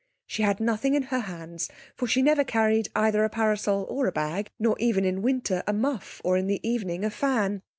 She had nothing in her hands, for she never carried either a parasol or a bag, nor even in winter a muff or in the evening a fan.